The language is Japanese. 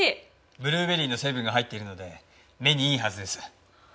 ブルーベリーの成分が入っているので目にいいはずです。